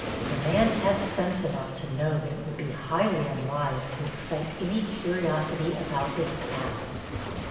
The man had sense enough to know that it would be highly unwise to excite any curiosity about his past.